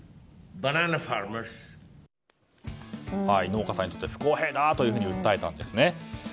農家さんにとって不公平だというふうに訴えたんですね。